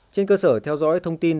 trên cơ sở theo dõi thông tin